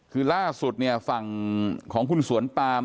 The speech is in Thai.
คือล่าสุดเนี่ยฝั่งของคุณสวนปาม